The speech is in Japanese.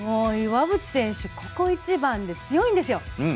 岩渕選手、ここ一番で強いんですよ！